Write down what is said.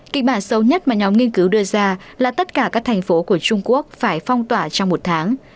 kịch bản sâu nhất mà nhóm nghiên cứu đưa ra là tất cả các thành phố của trung quốc phải phong tỏa trong một tháng